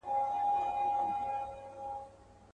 زما له زوره ابادیږي لوی ملکونه.